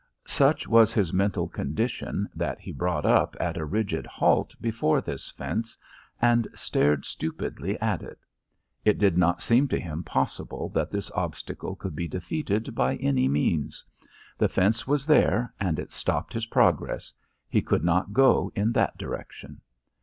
Such was his mental condition that he brought up at a rigid halt before this fence, and stared stupidly at it. It did not seem to him possible that this obstacle could be defeated by any means. The fence was there, and it stopped his progress. He could not go in that direction.